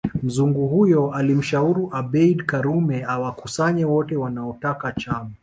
Mzungu huyo alimshauri Abeid Karume awakusanye wote wanaotaka chama